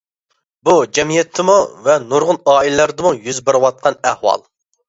بۇ جەمئىيەتتىمۇ ۋە نۇرغۇن ئائىلىلەردىمۇ يۈز بېرىۋاتقان ئەھۋال.